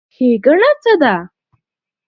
ښېګڼه څه ده؟